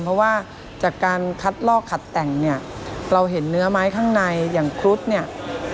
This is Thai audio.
เพราะว่าจากการคัดลอกขัดแต่งเนี่ยเราเห็นเนื้อไม้ข้างในอย่างครุฑเนี่ย